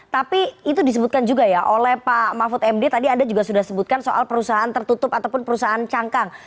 tapi itu disebutkan juga ya oleh pak mahfud md tadi anda juga sudah sebutkan soal perusahaan tertutup ataupun perusahaan cangkang